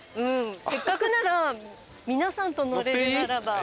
せっかくなら皆さんと乗れるならば。